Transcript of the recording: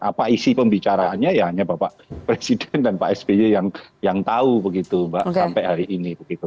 apa isi pembicaraannya ya hanya bapak presiden dan pak sby yang tahu begitu mbak sampai hari ini